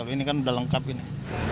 ini kan udah lengkap ini